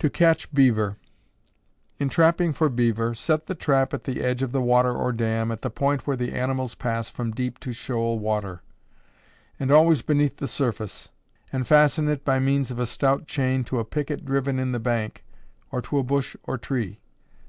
To Catch Beaver. In trapping for beaver, set the trap at the edge of the water or dam, at the point where the animals pass from deep to shoal water, and always beneath the surface, and fasten it by means of a stout chain to a picket driven in the bank, or to a bush or tree.